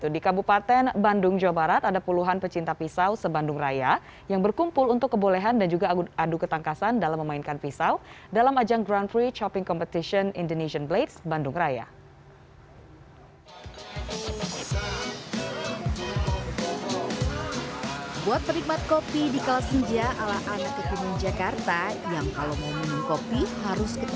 di kabupaten bandung jawa barat ada puluhan pecinta pisau se bandung raya yang berkumpul untuk kebolehan dan juga adu ketangkasan dalam memainkan pisau dalam ajang grand prix chopping competition indonesian blades bandung raya